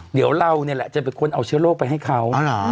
เดี๋ยวเรานี่แหละจะเป็นคนเอาเชื้อโรคไปให้เขา